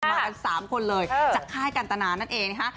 มากัน๓คนเลยจากค่ายกันตนานั่นเองนะคะ